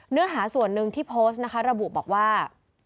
เนื้อหาส่วนหนึ่งที่โพสต์นะคะระบุบอกว่า